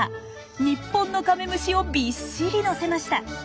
日本のカメムシをびっしり載せました。